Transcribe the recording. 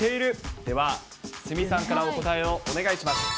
では鷲見さんからお答えをお願いします。